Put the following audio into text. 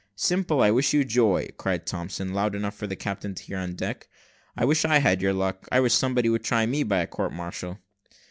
"Simple, I wish you joy," cried Thompson, loud enough for the captain to hear on deck. "I wish I had your luck; I wish somebody would try me by a court martial."